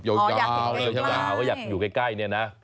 อยากอยู่ใกล้เนี่ยนะ